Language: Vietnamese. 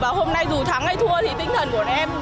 và hôm nay dù thắng hay thua thì tinh thần của em